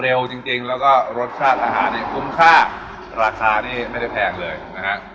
จริงจริงแล้วก็รสชาติอาหารเนี่ยคุ้มค่าราคานี่ไม่ได้แพงเลยนะฮะ